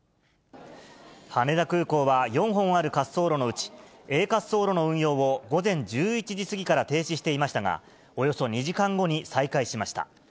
羽田空港は４本ある滑走路のうち、Ａ滑走路の運用を午前１１時過ぎから停止していましたが、およそ２時間後に再開しました。